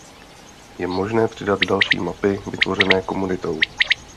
Je možné přidat další mapy vytvořené komunitou.